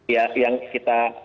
ya yang kita